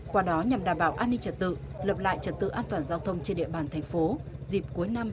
qua đó nhằm đảm bảo an ninh trật tự lập lại trật tự an toàn giao thông trên địa bàn thành phố dịp cuối năm hai nghìn hai mươi ba